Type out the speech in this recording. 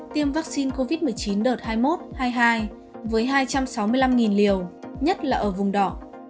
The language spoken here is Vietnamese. tiêm vaccine covid một mươi chín đợt hai mươi một hai mươi hai với hai trăm sáu mươi năm liều nhất là ở vùng đỏ